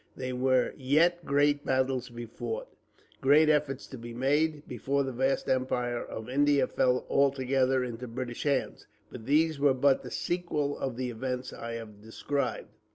There were yet great battles to be fought, great efforts to be made, before the vast Empire of India fell altogether into British hands; but these were but the sequel of the events I have described.